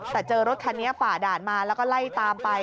แต่เจอรถคันนี้ฝ่าด่านมาแล้วก็ไล่ตามไป